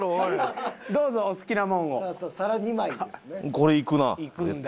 これいくな絶対。